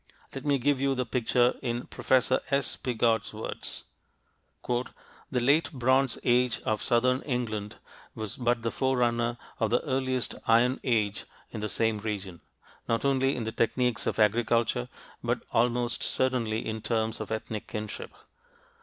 Let me give you the picture in Professor S. Piggott's words: "The ... Late Bronze Age of southern England was but the forerunner of the earliest Iron Age in the same region, not only in the techniques of agriculture, but almost certainly in terms of ethnic kinship